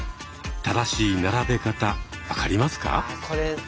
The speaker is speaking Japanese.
正しい並べ方分かりますか？